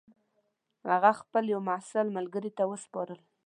هغه خپل یوه محصل ملګري ته وسپارل.